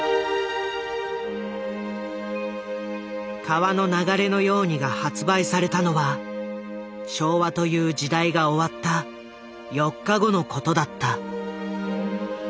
「川の流れのように」が発売されたのは昭和という時代が終わった４日後の事だった。